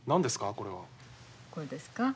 これですか？